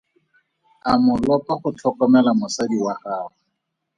A mo lopa go tlhokomela mosadi wa gagwe.